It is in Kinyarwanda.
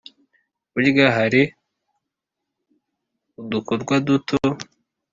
burya hari udukorwa duto